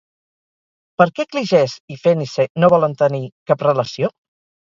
Per què Cligès i Fénice no volen tenir cap relació?